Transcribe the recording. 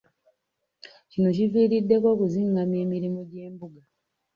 Kino kiviiriddeko okuzingamya emirimu gy'embuga.